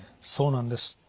そうなんです。